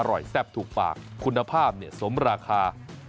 อร่อยแซ่บถูกปากคุณภาพสมราคา